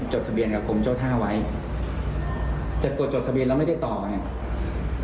จดทะเบียนกับกรมเจ้าท่าไว้แต่กดจดทะเบียนแล้วไม่ได้ต่อไง